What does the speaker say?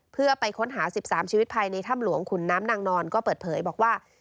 เพื่อไปค้นหา๑๓ชีวิตภายในถ้ำหลวงขุนน้ำนางนอนก็เปิดเผยบอกว่า